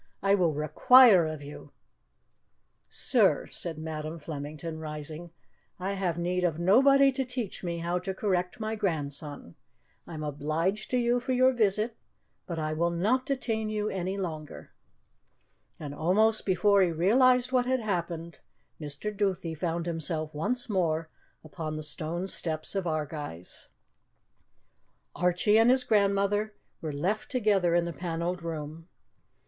I will require of you " "Sir," said Madam Flemington, rising, "I have need of nobody to teach me how to correct my grandson. I am obliged to you for your visit, but I will not detain you longer." And almost before he realized what had happened, Mr. Duthie found himself once more upon the stone steps of Ardguys. Archie and his grandmother were left together in the panelled room.